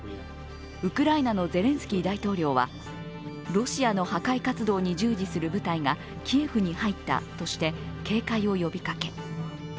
ウクライナのゼレンスキー大統領は、ロシアの破壊活動に従事する部隊がキエフに入ったとして警戒を呼びかけ。